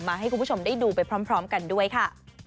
ให้คุณผู้ชมได้ดูไปพร้อมกันด้วยค่ะ